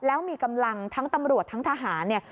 แล้วมีกำลังทั้งตำรวจทั้งทหารเนี่ย